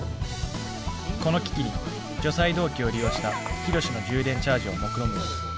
この危機に除細動器を利用したヒロシの充電チャージをもくろむも。